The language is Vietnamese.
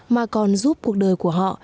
mà còn giúp cuộc đời của họ